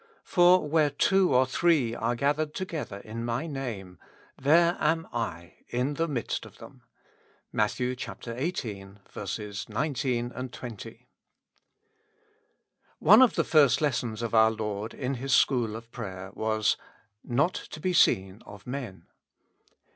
For where two or three are gathered together in my Name, there am I in the midst of them. — Matt. xviii. 19, 20. ONE of the first lessons of our Lord in His school of prayer was : Not to be seen of men.